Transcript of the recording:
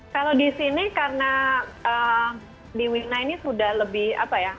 kalau di sini karena di wina ini sudah lebih apa ya